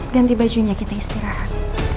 ganti bajunya kita istirahat